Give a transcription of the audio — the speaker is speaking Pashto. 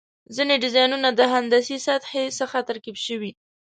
ځینې ډیزاینونه د هندسي سطحې څخه ترکیب شوي.